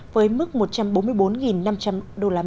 với mức một trăm bốn mươi bốn năm trăm linh usd